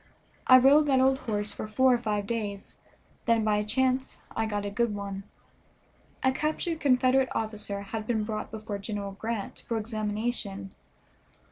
I rode that old horse for four or five days, then by a chance I got a good one. A captured Confederate officer had been brought before General Grant for examination.